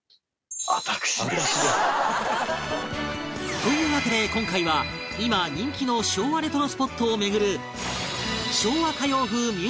というわけで今回は今人気の昭和レトロスポットを巡る